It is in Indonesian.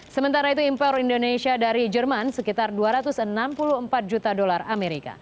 sementara itu impor indonesia dari jerman sekitar dua ratus enam puluh empat juta dolar amerika